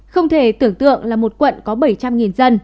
không thể tưởng tượng là một quận có bảy trăm linh dân